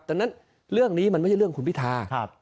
ดังนั้นเรื่องนี้มันไม่ใช่เรื่องคุณพิธา